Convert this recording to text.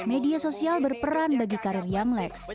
media sosial berperan bagi karir yom lex